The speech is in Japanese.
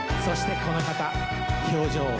そしてこの方表情